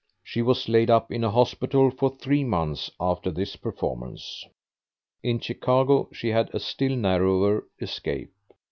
She was laid up in a hospital for three months after this performance. In Chicago she had a still narrower escape.